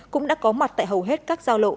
cũng đã có mặt tại hầu hết các giao lộ